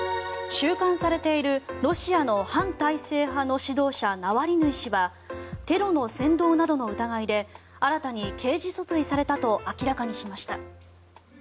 収監されているロシアの反体制派の指導者ナワリヌイ氏はテロの扇動などの疑いで新たに刑事訴追されたと明らかにしました。